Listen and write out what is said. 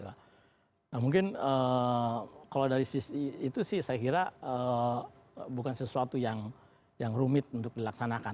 nah mungkin kalau dari sisi itu sih saya kira bukan sesuatu yang rumit untuk dilaksanakan